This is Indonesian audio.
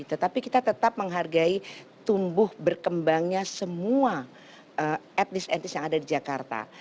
tetapi kita tetap menghargai tumbuh berkembangnya semua etnis etnis yang ada di jakarta